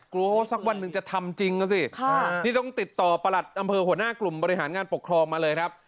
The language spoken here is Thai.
ว่าสักวันหนึ่งจะทำจริงนะสินี่ต้องติดต่อประหลัดอำเภอหัวหน้ากลุ่มบริหารงานปกครองมาเลยครับ